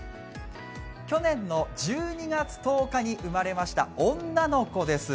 去年の１２月１０日に生まれました女の子です。